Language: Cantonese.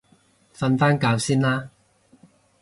瞓返覺先啦